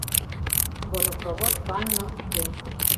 Водопровод, ванна уке.